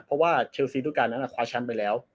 เพราะว่าเชลซีทุกการ์ดนั้นอ่ะคว้าชั้นไปแล้ว